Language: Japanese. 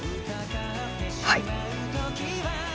はい。